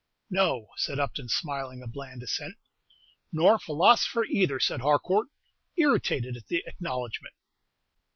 "No," said Upton, smiling a bland assent. "Nor a philosopher either," said Harcourt, irritated at the acknowledgment.